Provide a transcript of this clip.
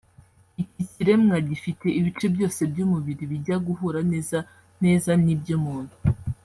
Iki kiremwa gifite ibice byose by’umubiri bijya guhura neza neza n’iby’umuntu